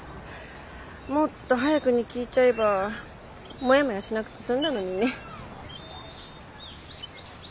もっと早くに聞いちゃえばモヤモヤしなくて済んだのにね。